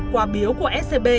qua biếu của scb